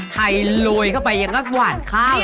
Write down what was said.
ไทยลุยเข้าไปยังก็หวานข้าว